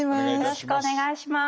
よろしくお願いします。